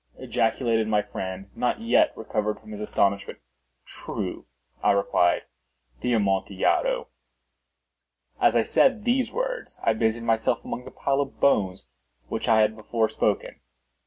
ejaculated my friend, not yet recovered from his astonishment. "True," I replied; "the Amontillado." As I said these words I busied myself among the pile of bones of which I have before spoken.